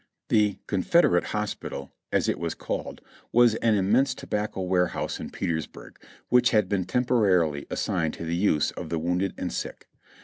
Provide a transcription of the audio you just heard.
The "Confederate Hospital," as it was called, was an immense tobacco warehouse in Petersburg, which had been temporarily assigned to the use of the wounded and sick.